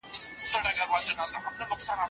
د حکومت اطاعت په نېکۍ کي وکړئ.